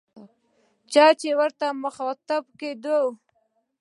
چي ته ورته مخاطب کېدونکی يې